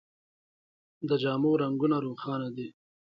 د جامو رنګونه روښانه دي.